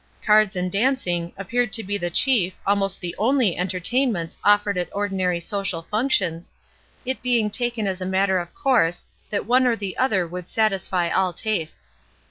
Cards and dancing appeared to be the chief, almost the only entertainments offered at ordi nary social functions, it being taken as a matter of course that one or the other would satisfy all tastes.